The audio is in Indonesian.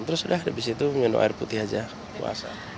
terus udah habis itu minum air putih aja puasa